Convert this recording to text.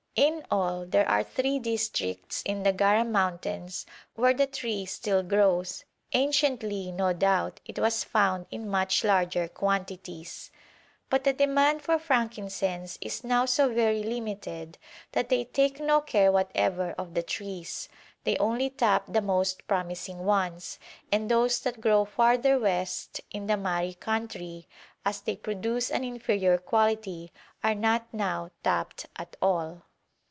In all there are three districts in the Gara mountains where the tree still grows; anciently, no doubt, it was found in much larger quantities, but the demand for frankincense is now so very limited that they take no care whatever of the trees. They only tap the most promising ones, and those that grow farther west in the Mahri country, as they produce an inferior quality, are not now tapped at all.